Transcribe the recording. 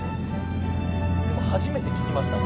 初めて聞きましたもん。